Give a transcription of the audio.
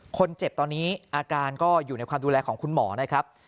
คนเจ็บตอนนี้อาการก็อยู่ในความดูแลของคุณหมอนะครับ